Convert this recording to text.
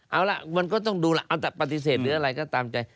เอาล่ะมันก็ต้องดูล่ะเอาแต่ปฏิเสธหรืออะไรก็ตามใจ